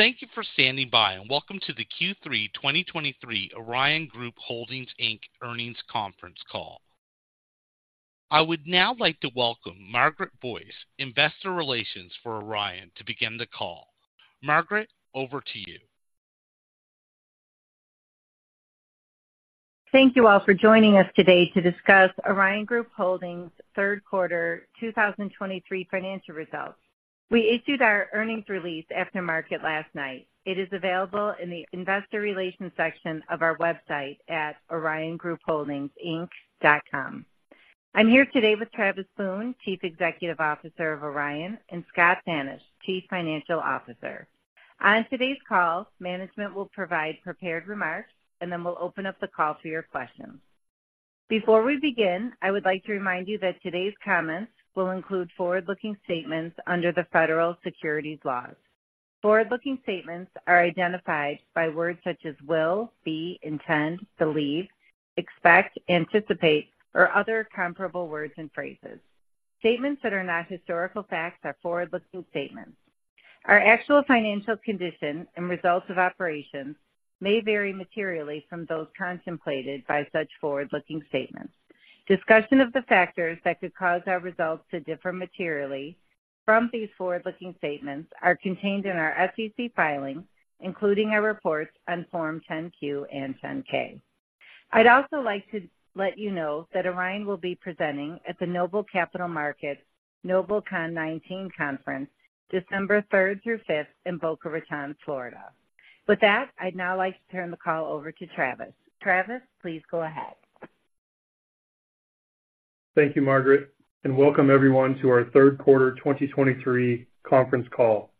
Thank you for standing by, and welcome to the Q3 2023 Orion Group Holdings, Inc. Earnings Conference Call. I would now like to welcome Margaret Boyce, Investor Relations for Orion, to begin the call. Margaret, over to you. Thank you all for joining us today to discuss Orion Group Holdings' third quarter 2023 financial results. We issued our earnings release after market last night. It is available in the investor relations section of our website at oriongroupholdingsinc.com. I'm here today with Travis Boone, Chief Executive Officer of Orion, and Scott Thanisch, Chief Financial Officer. On today's call, management will provide prepared remarks, and then we'll open up the call to your questions. Before we begin, I would like to remind you that today's comments will include forward-looking statements under the Federal Securities laws. Forward-looking statements are identified by words such as will, be, intend, believe, expect, anticipate, or other comparable words and phrases. Statements that are not historical facts are forward-looking statements. Our actual financial condition and results of operations may vary materially from those contemplated by such forward-looking statements. Discussion of the factors that could cause our results to differ materially from these forward-looking statements are contained in our SEC filings, including our reports on Form 10-Q and 10-K. I'd also like to let you know that Orion will be presenting at the Noble Capital Markets NobleCon19 Conference, December 3 through 5 in Boca Raton, Florida. With that, I'd now like to turn the call over to Travis. Travis, please go ahead. Thank you, Margaret, and welcome everyone to our Third Quarter 2023 Conference Call.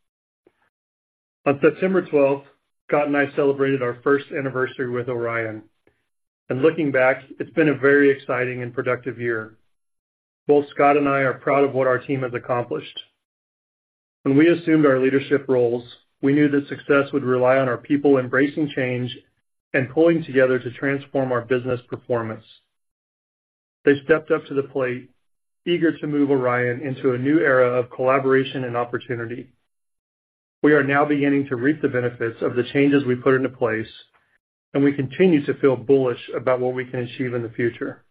On September 12, Scott and I celebrated our first anniversary with Orion, and looking back, it's been a very exciting and productive year. Both Scott and I are proud of what our team has accomplished. When we assumed our leadership roles, we knew that success would rely on our people embracing change and pulling together to transform our business performance. They stepped up to the plate, eager to move Orion into a new era of collaboration and opportunity. We are now beginning to reap the benefits of the changes we put into place, and we continue to feel bullish about what we can achieve in the future.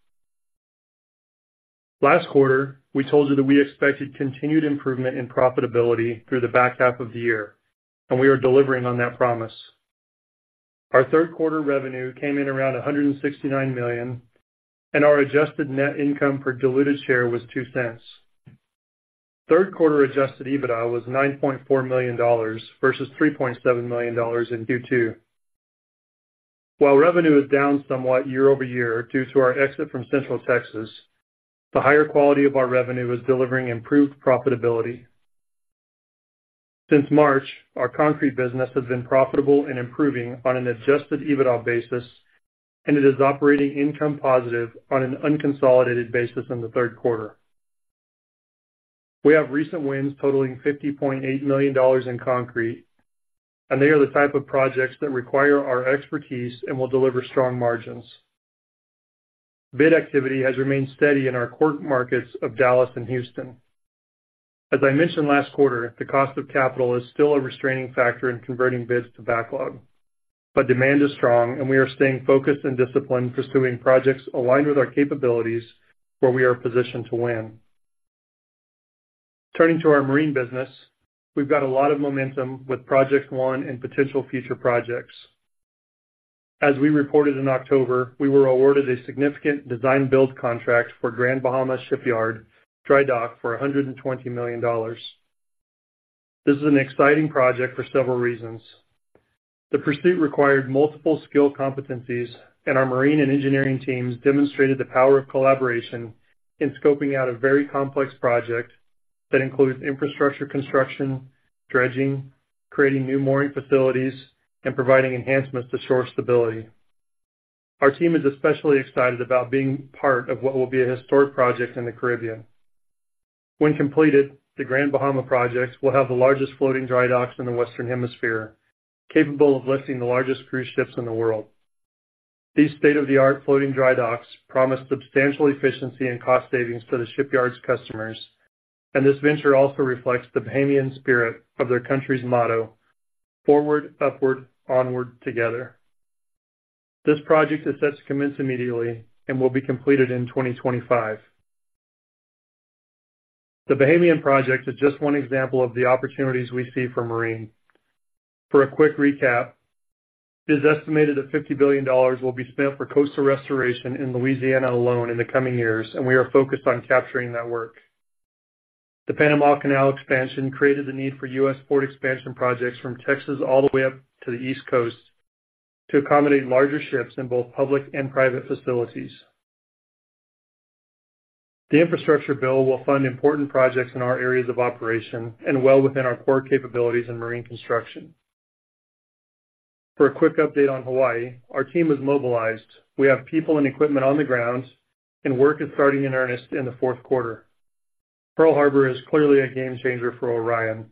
Last quarter, we told you that we expected continued improvement in profitability through the back half of the year, and we are delivering on that promise. Our third quarter revenue came in around $169 million, and our adjusted net income per diluted share was $0.02. Third quarter Adjusted EBITDA was $9.4 million versus $3.7 million in Q2. While revenue is down somewhat year over year due to our exit from Central Texas, the higher quality of our revenue is delivering improved profitability. Since March, our concrete business has been profitable and improving on an Adjusted EBITDA basis, and it is operating income positive on an unconsolidated basis in the third quarter. We have recent wins totaling $50.8 million in concrete, and they are the type of projects that require our expertise and will deliver strong margins. Bid activity has remained steady in our core markets of Dallas and Houston. As I mentioned last quarter, the cost of capital is still a restraining factor in converting bids to backlog, but demand is strong and we are staying focused and disciplined, pursuing projects aligned with our capabilities where we are positioned to win. Turning to our marine business, we've got a lot of momentum with Project One and potential future projects. As we reported in October, we were awarded a significant design-build contract for Grand Bahama Shipyard Dry Dock for $120 million. This is an exciting project for several reasons. The pursuit required multiple skill competencies, and our marine and engineering teams demonstrated the power of collaboration in scoping out a very complex project that includes infrastructure construction, dredging, creating new mooring facilities, and providing enhancements to shore stability. Our team is especially excited about being part of what will be a historic project in the Caribbean. When completed, the Grand Bahama project will have the largest floating dry docks in the Western Hemisphere, capable of lifting the largest cruise ships in the world. These state-of-the-art floating dry docks promise substantial efficiency and cost savings to the shipyard's customers, and this venture also reflects the Bahamian spirit of their country's motto: "Forward, upward, onward together." This project is set to commence immediately and will be completed in 2025. The Bahamian project is just one example of the opportunities we see for marine. For a quick recap, it is estimated that $50 billion will be spent for coastal restoration in Louisiana alone in the coming years, and we are focused on capturing that work. The Panama Canal expansion created the need for U.S. port expansion projects from Texas all the way up to the East Coast to accommodate larger ships in both public and private facilities. The infrastructure bill will fund important projects in our areas of operation and well within our core capabilities in marine construction. For a quick update on Hawaii, our team is mobilized. We have people and equipment on the ground, and work is starting in earnest in the fourth quarter. Pearl Harbor is clearly a game changer for Orion.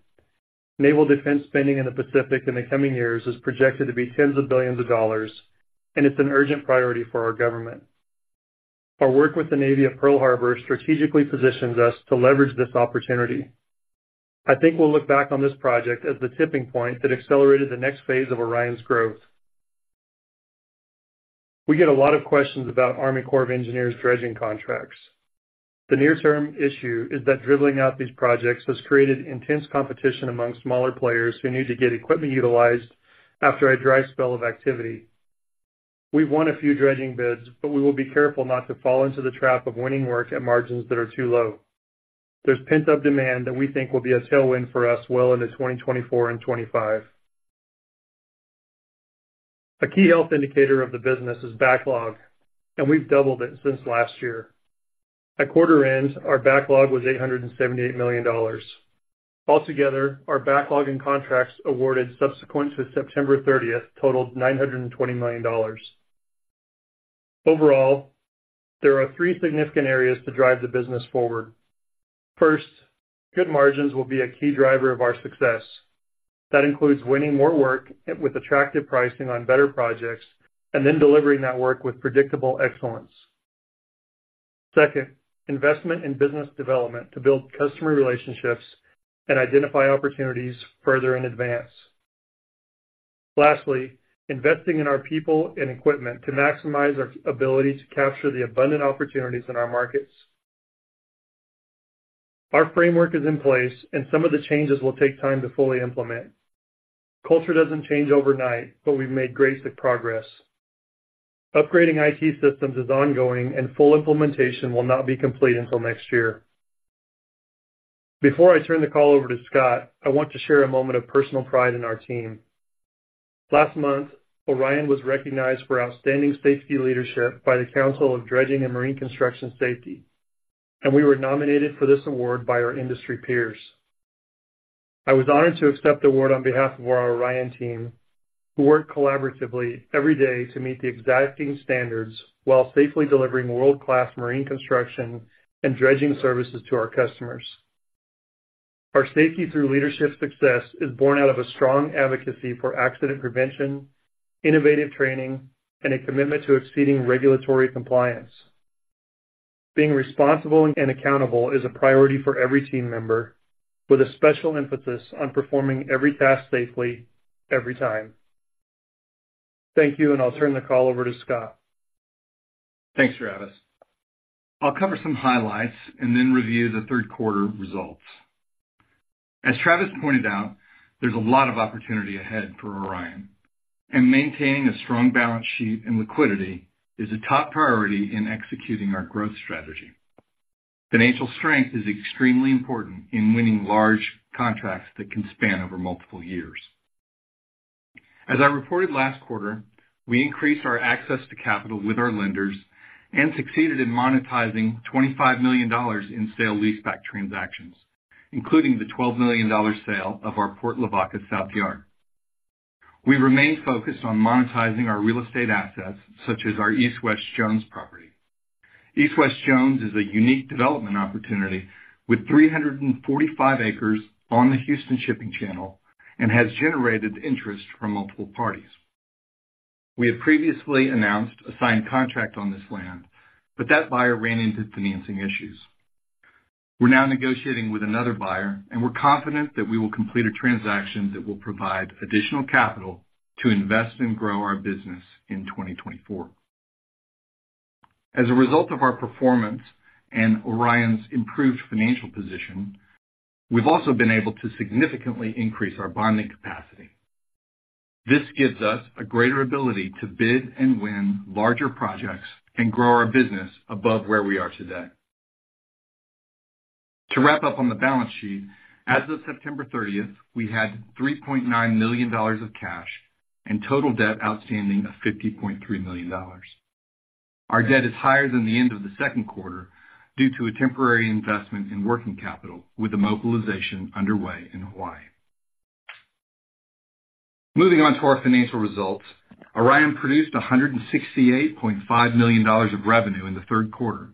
Naval defense spending in the Pacific in the coming years is projected to be $10s of billions, and it's an urgent priority for our government. Our work with the Navy at Pearl Harbor strategically positions us to leverage this opportunity. I think we'll look back on this project as the tipping point that accelerated the next phase of Orion's growth. We get a lot of questions about Army Corps of Engineers dredging contracts. The near-term issue is that dribbling out these projects has created intense competition among smaller players who need to get equipment utilized after a dry spell of activity. We've won a few dredging bids, but we will be careful not to fall into the trap of winning work at margins that are too low. There's pent-up demand that we think will be a tailwind for us well into 2024 and 2025. A key health indicator of the business is backlog, and we've doubled it since last year. At quarter end, our backlog was $878 million. Altogether, our backlog and contracts awarded subsequent to September thirtieth totaled $920 million. Overall, there are three significant areas to drive the business forward. First, good margins will be a key driver of our success. That includes winning more work with attractive pricing on better projects, and then delivering that work with predictable excellence. Second, investment in business development to build customer relationships and identify opportunities further in advance. Lastly, investing in our people and equipment to maximize our ability to capture the abundant opportunities in our markets. Our framework is in place, and some of the changes will take time to fully implement. Culture doesn't change overnight, but we've made great progress. Upgrading IT systems is ongoing, and full implementation will not be complete until next year. Before I turn the call over to Scott, I want to share a moment of personal pride in our team. Last month, Orion was recognized for outstanding safety leadership by the Council for Dredging and Marine Construction Safety, and we were nominated for this award by our industry peers. I was honored to accept the award on behalf of our Orion team, who work collaboratively every day to meet the exacting standards while safely delivering world-class marine construction and dredging services to our customers. Our safety through leadership success is born out of a strong advocacy for accident prevention, innovative training, and a commitment to exceeding regulatory compliance. Being responsible and accountable is a priority for every team member, with a special emphasis on performing every task safely, every time. Thank you, and I'll turn the call over to Scott. Thanks, Travis. I'll cover some highlights and then review the third quarter results. As Travis pointed out, there's a lot of opportunity ahead for Orion, and maintaining a strong balance sheet and liquidity is a top priority in executing our growth strategy. Financial strength is extremely important in winning large contracts that can span over multiple years. As I reported last quarter, we increased our access to capital with our lenders and succeeded in monetizing $25 million in sale-leaseback transactions, including the $12 million sale of our Port Lavaca South yard. We remain focused on monetizing our real estate assets, such as our East West Jones property. East West Jones is a unique development opportunity with 345 acres on the Houston Shipping Channel and has generated interest from multiple parties. We had previously announced a signed contract on this land, but that buyer ran into financing issues. We're now negotiating with another buyer, and we're confident that we will complete a transaction that will provide additional capital to invest and grow our business in 2024. As a result of our performance and Orion's improved financial position, we've also been able to significantly increase our bonding capacity. This gives us a greater ability to bid and win larger projects and grow our business above where we are today. To wrap up on the balance sheet, as of September 30th, we had $3.9 million of cash and total debt outstanding of $50.3 million. Our debt is higher than the end of the second quarter due to a temporary investment in working capital, with the mobilization underway in Hawaii. Moving on to our financial results. Orion produced $168.5 million of revenue in the third quarter,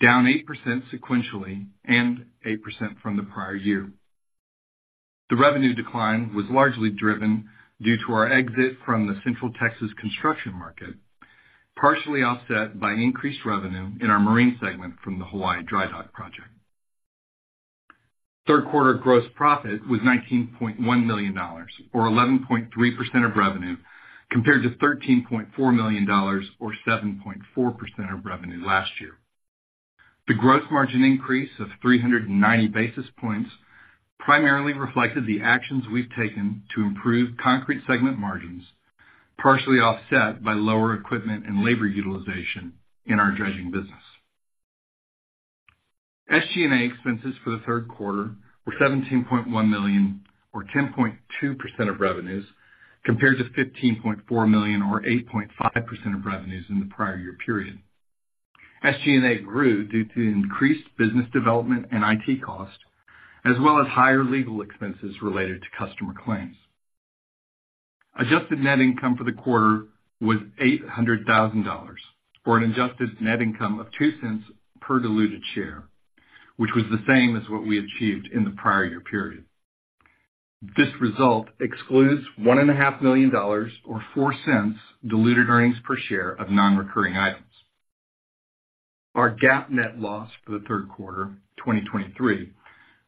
down 8% sequentially and 8% from the prior year. The revenue decline was largely driven due to our exit from the Central Texas construction market, partially offset by increased revenue in our marine segment from the Hawaii Dry Dock project. Third quarter gross profit was $19.1 million, or 11.3% of revenue, compared to $13.4 million, or 7.4% of revenue last year. The gross margin increase of 390 basis points primarily reflected the actions we've taken to improve concrete segment margins, partially offset by lower equipment and labor utilization in our dredging business. SG&A expenses for the third quarter were $17.1 million, or 10.2% of revenues, compared to $15.4 million, or 8.5% of revenues in the prior year period. SG&A grew due to increased business development and IT costs, as well as higher legal expenses related to customer claims. Adjusted net income for the quarter was $800,000, or an adjusted net income of $0.02 per diluted share, which was the same as what we achieved in the prior year period.... This result excludes $1.5 million, or $0.04 diluted earnings per share of nonrecurring items. Our GAAP net loss for the third quarter 2023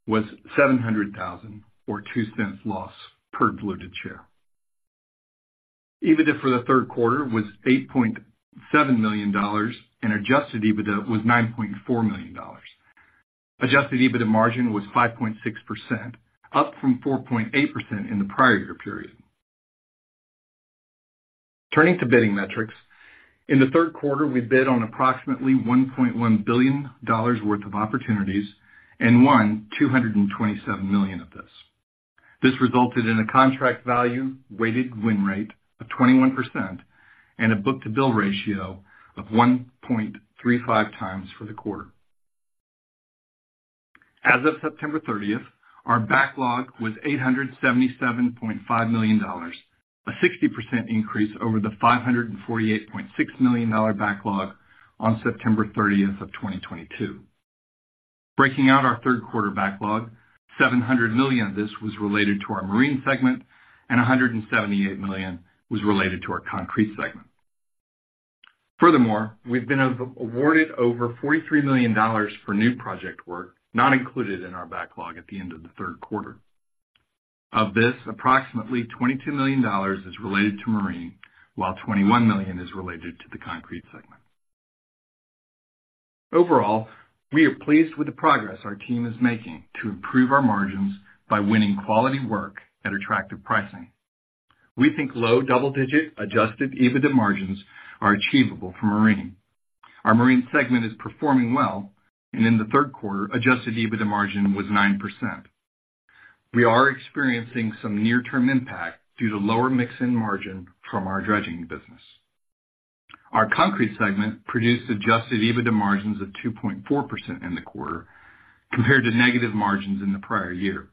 was $700,000, or $0.02 loss per diluted share. EBITDA for the third quarter was $8.7 million, and adjusted EBITDA was $9.4 million. Adjusted EBITDA margin was 5.6%, up from 4.8% in the prior year period. Turning to bidding metrics, in the third quarter, we bid on approximately $1.1 billion worth of opportunities and won $227 million of this. This resulted in a contract value weighted win rate of 21% and a book-to-bill ratio of 1.35x for the quarter. As of September 30th, our backlog was $877.5 million, a 60% increase over the $548.6 million backlog on September 30th of 2022. Breaking out our third quarter backlog, $700 million of this was related to our Marine segment and $178 million was related to our Concrete segment. Furthermore, we've been awarded over $43 million for new project work, not included in our backlog at the end of the third quarter. Of this, approximately $22 million is related to Marine, while $21 million is related to the Concrete segment. Overall, we are pleased with the progress our team is making to improve our margins by winning quality work at attractive pricing. We think low double-digit Adjusted EBITDA margins are achievable for Marine. Our Marine segment is performing well, and in the third quarter, Adjusted EBITDA margin was 9%. We are experiencing some near-term impact due to lower mix in margin from our dredging business. Our Concrete segment produced Adjusted EBITDA margins of 2.4% in the quarter compared to negative margins in the prior year.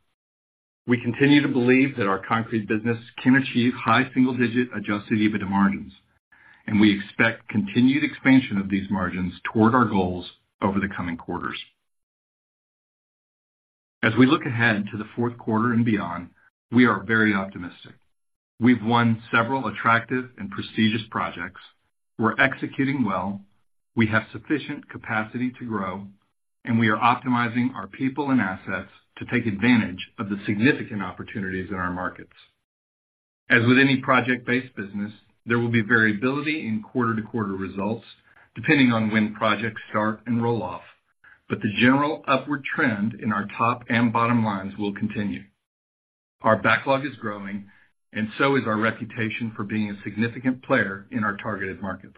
We continue to believe that our concrete business can achieve high single-digit Adjusted EBITDA margins, and we expect continued expansion of these margins toward our goals over the coming quarters. As we look ahead to the fourth quarter and beyond, we are very optimistic. We've won several attractive and prestigious projects. We're executing well, we have sufficient capacity to grow, and we are optimizing our people and assets to take advantage of the significant opportunities in our markets. As with any project-based business, there will be variability in quarter-to-quarter results, depending on when projects start and roll off, but the general upward trend in our top and bottom lines will continue. Our backlog is growing, and so is our reputation for being a significant player in our targeted markets.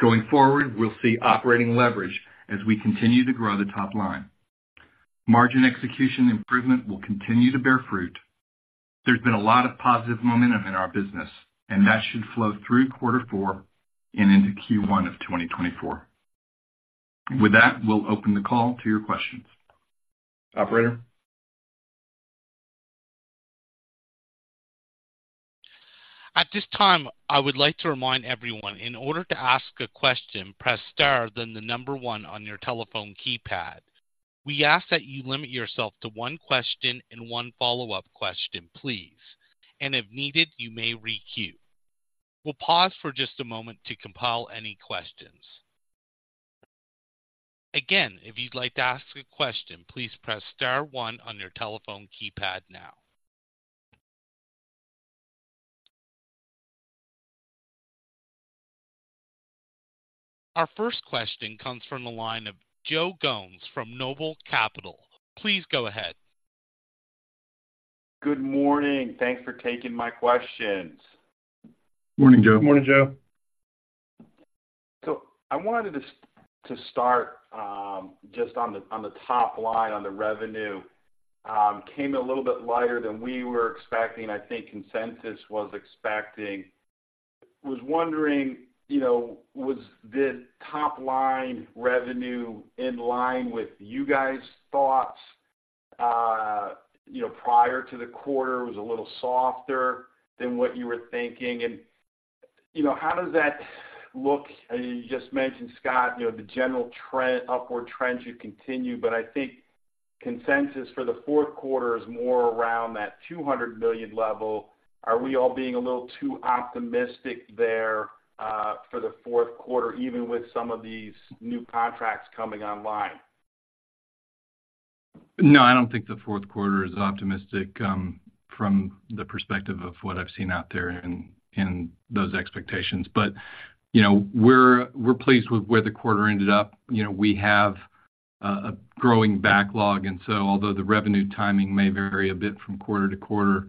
Going forward, we'll see operating leverage as we continue to grow the top line. Margin execution improvement will continue to bear fruit. There's been a lot of positive momentum in our business, and that should flow through quarter four and into Q1 of 2024. With that, we'll open the call to your questions. Operator? At this time, I would like to remind everyone, in order to ask a question, press star, then the number one on your telephone keypad. We ask that you limit yourself to one question and one follow-up question, please, and if needed, you may requeue. We'll pause for just a moment to compile any questions. Again, if you'd like to ask a question, please press star one on your telephone keypad now. Our first question comes from the line of Joe Gomes from Noble Capital. Please go ahead. Good morning. Thanks for taking my questions. Morning, Joe. Morning, Joe. So I wanted to start just on the top line on the revenue. Came in a little bit lighter than we were expecting, I think consensus was expecting. Was wondering, you know, was the top-line revenue in line with you guys' thoughts, you know, prior to the quarter, it was a little softer than what you were thinking. And, you know, how does that look? You just mentioned, Scott, you know, the general trend, upward trends should continue, but I think consensus for the fourth quarter is more around that $200 million level. Are we all being a little too optimistic there, for the fourth quarter, even with some of these new contracts coming online? No, I don't think the fourth quarter is optimistic from the perspective of what I've seen out there in those expectations. But, you know, we're pleased with where the quarter ended up. You know, we have a growing backlog, and so although the revenue timing may vary a bit from quarter to quarter,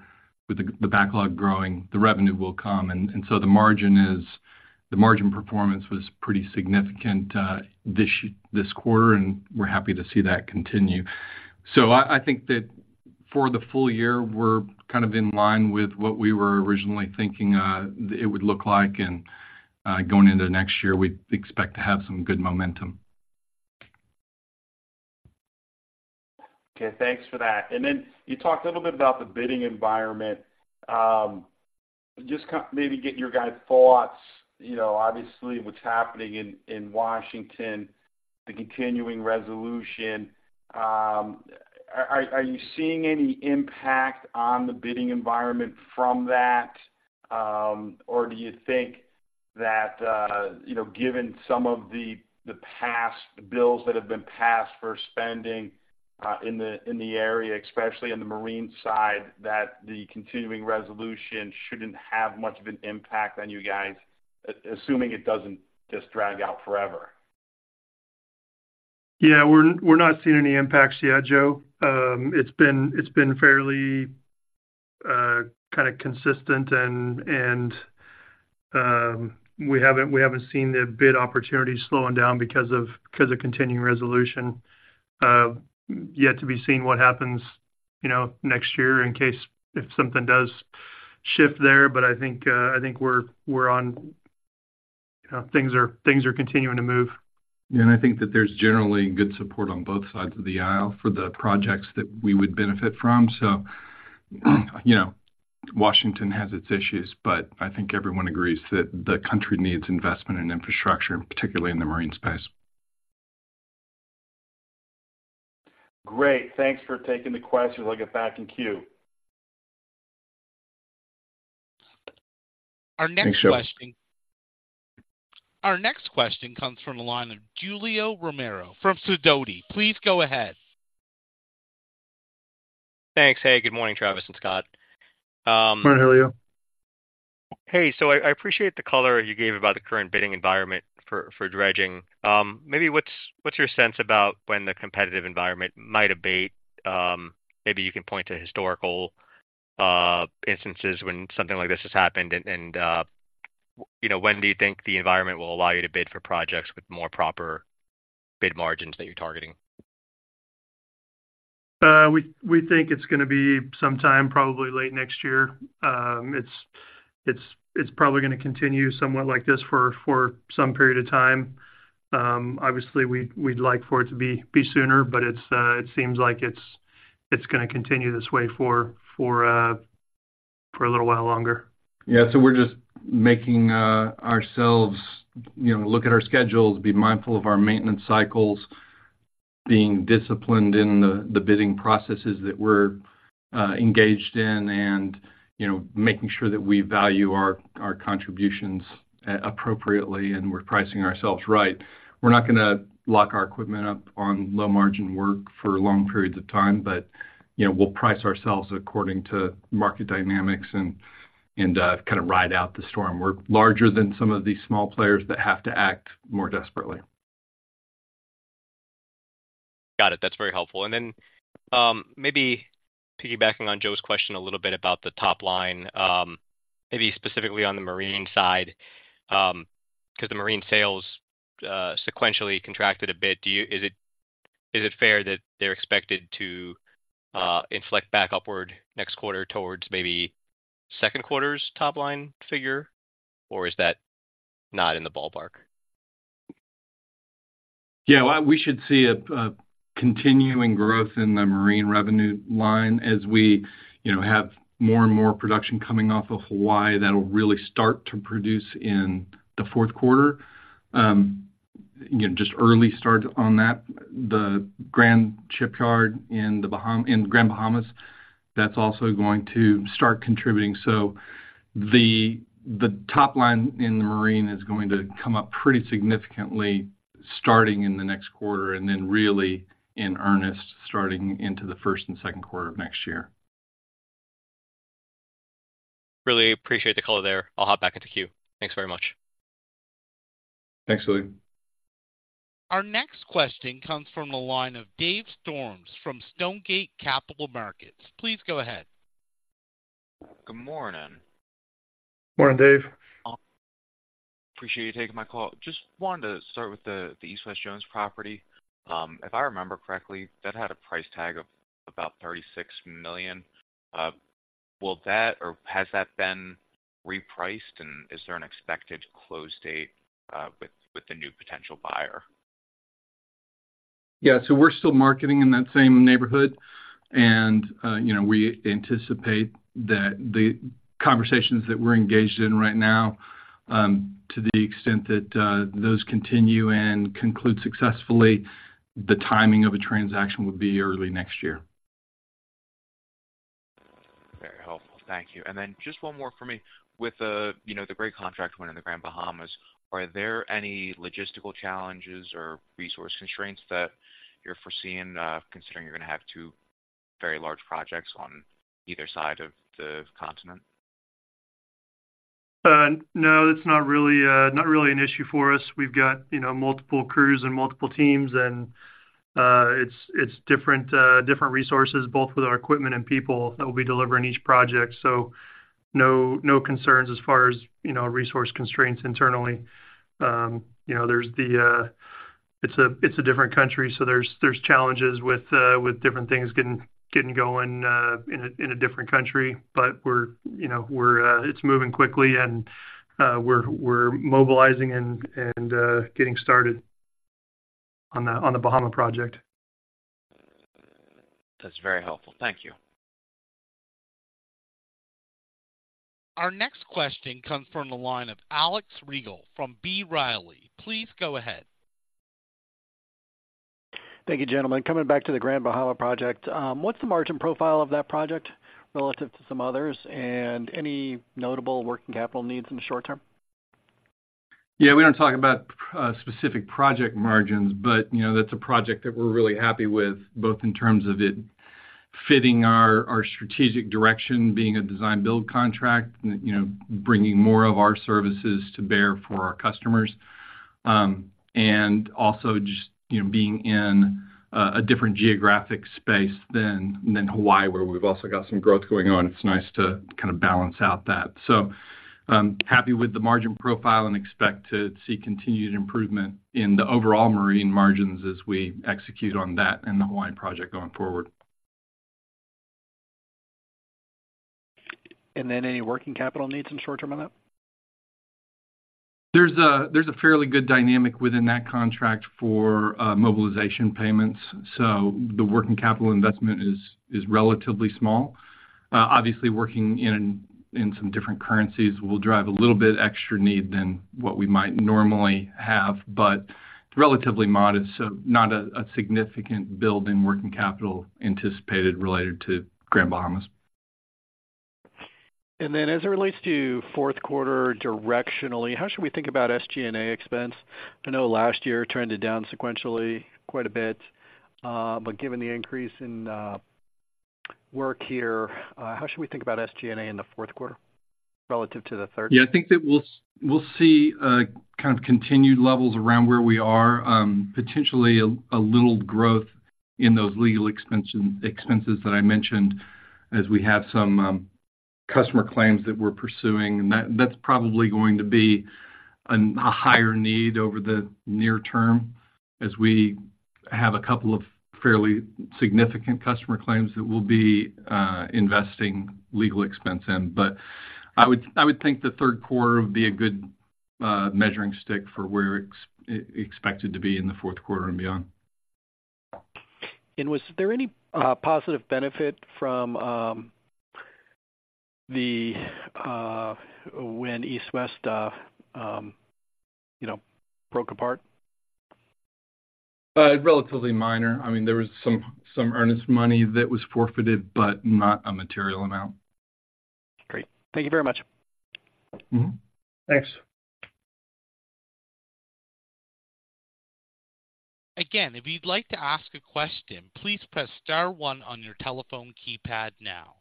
with the backlog growing, the revenue will come, and so the margin is, the margin performance was pretty significant this quarter, and we're happy to see that continue. So I think that for the full year, we're kind of in line with what we were originally thinking it would look like, and going into next year, we expect to have some good momentum. Okay, thanks for that. And then you talked a little bit about the bidding environment. Just kind of, maybe get your guys' thoughts, you know, obviously, what's happening in Washington, the continuing resolution. Are you seeing any impact on the bidding environment from that? Or do you think that, you know, given some of the past bills that have been passed for spending in the area, especially on the marine side, that the continuing resolution shouldn't have much of an impact on you guys, assuming it doesn't just drag out forever? Yeah, we're not seeing any impacts yet, Joe. It's been fairly kinda consistent, and we haven't seen the bid opportunities slowing down because of continuing resolution. Yet to be seen what happens, you know, next year in case if something does shift there. But I think we're on, things are continuing to move. Yeah, and I think that there's generally good support on both sides of the aisle for the projects that we would benefit from. So, you know, Washington has its issues, but I think everyone agrees that the country needs investment in infrastructure, particularly in the marine space. Great. Thanks for taking the question. We'll get back in queue. Thanks, Joe. Our next question comes from the line of Julio Romero from Sidoti. Please go ahead. Thanks. Hey, good morning, Travis and Scott. Good morning, Julio. Hey, so I appreciate the color you gave about the current bidding environment for dredging. Maybe what's your sense about when the competitive environment might abate? Maybe you can point to historical instances when something like this has happened, and you know, when do you think the environment will allow you to bid for projects with more proper bid margins that you're targeting? We think it's gonna be sometime, probably late next year. It's probably gonna continue somewhat like this for some period of time. Obviously, we'd like for it to be sooner, but it seems like it's gonna continue this way for a little while longer. Yeah. So we're just making ourselves, you know, look at our schedules, be mindful of our maintenance cycles, being disciplined in the bidding processes that we're engaged in, and, you know, making sure that we value our contributions appropriately, and we're pricing ourselves right. We're not gonna lock our equipment up on low-margin work for long periods of time, but, you know, we'll price ourselves according to market dynamics and kind of ride out the storm. We're larger than some of these small players that have to act more desperately. Got it. That's very helpful. And then, maybe piggybacking on Joe's question a little bit about the top line, maybe specifically on the marine side, 'cause the marine sales sequentially contracted a bit. Do you- is it, is it fair that they're expected to inflect back upward next quarter towards maybe second quarter's top line figure, or is that not in the ballpark? Yeah, well, we should see a continuing growth in the marine revenue line as we, you know, have more and more production coming off of Hawaii. That'll really start to produce in the fourth quarter. Again, just early start on that. The Grand Bahama Shipyard in Grand Bahama, that's also going to start contributing. The top line in the marine is going to come up pretty significantly starting in the next quarter, and then really in earnest, starting into the first and second quarter of next year. Really appreciate the color there. I'll hop back into queue. Thanks very much. Thanks, Julio. Our next question comes from the line of Dave Storms from Stonegate Capital Markets. Please go ahead. Good morning. Morning, Dave. Appreciate you taking my call. Just wanted to start with the East West Jones property. If I remember correctly, that had a price tag of about $36 million. Will that or has that been repriced, and is there an expected close date with the new potential buyer? Yeah, so we're still marketing in that same neighborhood, and, you know, we anticipate that the conversations that we're engaged in right now, to the extent that, those continue and conclude successfully, the timing of a transaction would be early next year. Very helpful. Thank you. And then just one more for me. With the, you know, the great contract win in the Grand Bahama, are there any logistical challenges or resource constraints that you're foreseeing, considering you're gonna have two very large projects on either side of the continent? No, it's not really, not really an issue for us. We've got, you know, multiple crews and multiple teams, and, it's, it's different, different resources, both with our equipment and people, that will be delivering each project. So no, no concerns as far as, you know, resource constraints internally. You know, there's the, it's a, it's a different country, so there's, there's challenges with, with different things getting, getting going, in a, in a different country. But we're, you know, we're, it's moving quickly, and, we're, we're mobilizing and, and, getting started on the, on the Bahamas project. That's very helpful. Thank you. Our next question comes from the line of Alex Rygiel from B. Riley. Please go ahead. Thank you, gentlemen. Coming back to the Grand Bahama project, what's the margin profile of that project relative to some others, and any notable working capital needs in the short term? Yeah, we don't talk about specific project margins, but, you know, that's a project that we're really happy with, both in terms of it fitting our, our strategic direction, being a design-build contract, and, you know, bringing more of our services to bear for our customers. And also just, you know, being in a different geographic space than, than Hawaii, where we've also got some growth going on. It's nice to kind of balance out that. So, I'm happy with the margin profile and expect to see continued improvement in the overall marine margins as we execute on that and the Hawaiian project going forward. Any working capital needs in short term on that? There's a fairly good dynamic within that contract for mobilization payments, so the working capital investment is relatively small. Obviously, working in some different currencies will drive a little bit extra need than what we might normally have, but it's relatively modest, so not a significant build in working capital anticipated related to Grand Bahama. Then, as it relates to fourth quarter directionally, how should we think about SG&A expense? I know last year turned it down sequentially quite a bit, but given the increase in work here, how should we think about SG&A in the fourth quarter relative to the third? Yeah, I think that we'll see kind of continued levels around where we are. Potentially a little growth in those legal expenses that I mentioned as we have some customer claims that we're pursuing. And that's probably going to be a higher need over the near term as we have a couple of fairly significant customer claims that we'll be investing legal expense in. But I would think the third quarter would be a good measuring stick for where it's expected to be in the fourth quarter and beyond. Was there any positive benefit from when East West Jones, you know, broke apart? Relatively minor. I mean, there was some earnest money that was forfeited, but not a material amount. Great. Thank you very much. Mm-hmm. Thanks. Again, if you'd like to ask a question, please press star one on your telephone keypad now.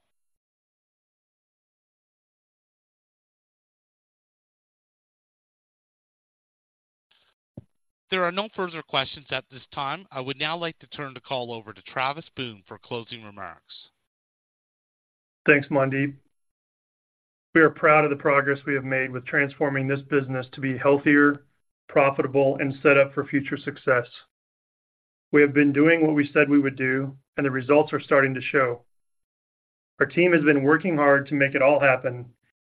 There are no further questions at this time. I would now like to turn the call over to Travis Boone for closing remarks. Thanks, Mandeep. We are proud of the progress we have made with transforming this business to be healthier, profitable, and set up for future success. We have been doing what we said we would do, and the results are starting to show. Our team has been working hard to make it all happen,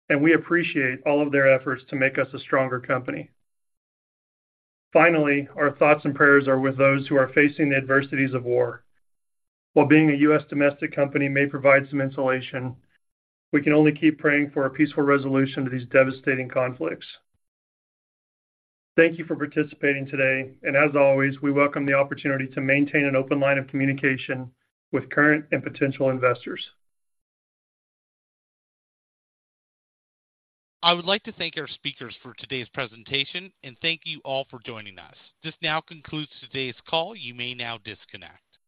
and we appreciate all of their efforts to make us a stronger company. Finally, our thoughts and prayers are with those who are facing the adversities of war. While being a U.S. domestic company may provide some insulation, we can only keep praying for a peaceful resolution to these devastating conflicts. Thank you for participating today, and as always, we welcome the opportunity to maintain an open line of communication with current and potential investors. I would like to thank our speakers for today's presentation, and thank you all for joining us. This now concludes today's call. You may now disconnect.